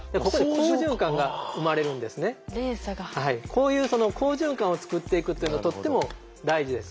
こういう好循環を作っていくっていうのはとっても大事です。